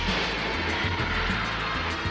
jangan makan aku